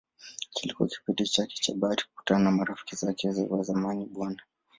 Kilikuwa kipindi chake cha bahati kukutana na marafiki zake wa zamani Bw.